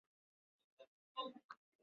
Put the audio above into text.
站台层采用路中侧式布局。